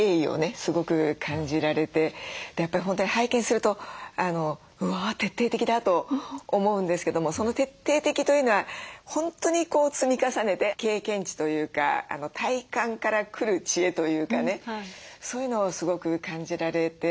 すごく感じられてやっぱり本当に拝見するとうわ徹底的だと思うんですけどもその徹底的というのは本当に積み重ねて経験値というか体感から来る知恵というかねそういうのをすごく感じられて。